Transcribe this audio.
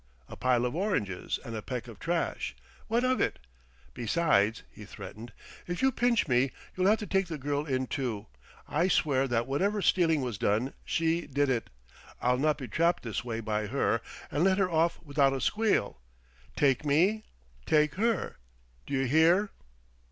A pile of oranges and a peck of trash! What of it?... Besides," he threatened, "if you pinch me, you'll have to take the girl in, too. I swear that whatever stealing was done, she did it. I'll not be trapped this way by her and let her off without a squeal. Take me take her; d'you hear?"